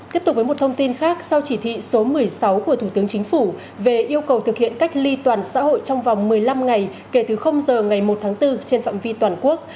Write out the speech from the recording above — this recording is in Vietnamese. tiếp tục với một thông tin khác sau chỉ thị số một mươi sáu của thủ tướng chính phủ về yêu cầu thực hiện cách ly toàn xã hội trong vòng một mươi năm ngày kể từ giờ ngày một tháng bốn trên phạm vi toàn quốc